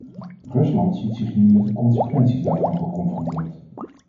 Rusland ziet zich nu met de consequenties daarvan geconfronteerd.